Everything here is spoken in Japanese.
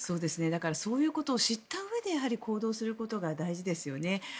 だからそういうことを知ったうえで行動することが大事ですよね。